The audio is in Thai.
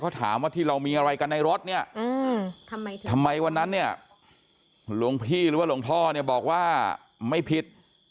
เขาถามว่าที่เรามีอะไรกันในรถเนี่ยทำไมวันนั้นเนี่ยหลวงพี่หรือว่าหลวงพ่อเนี่ยบอกว่าไม่ผิด